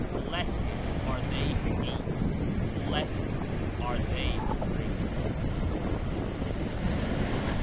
Blessed are they who eat! Blessed are they who drink!